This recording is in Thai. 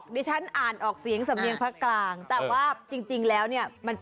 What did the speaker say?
ไปไปดูเลย